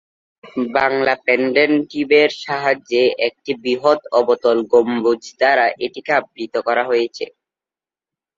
বাংলা পেন্ডেন্টিভের সাহায্যে একটি বৃহৎ অবতল গম্বুজ দ্বারা এটিকে আবৃত করা হয়েছে।